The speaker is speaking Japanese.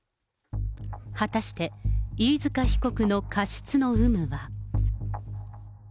果たして、飯塚被告の過失の有無は。